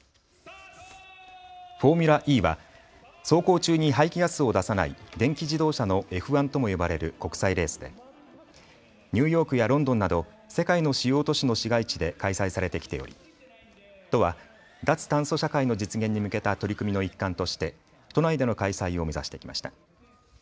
フォーミュラＥは走行中に排気ガスを出さない電気自動車のＦ１とも呼ばれる国際レースでニューヨークやロンドンなど世界の主要都市の市街地で開催されてきており都は脱炭素社会の実現に向けた取り組みの一環として都内での開催を目指してきました。